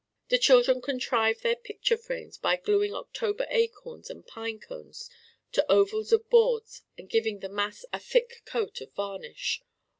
Do children contrive their picture frames by glueing October acorns and pine cones to ovals of boards and giving the mass a thick coat of varnish?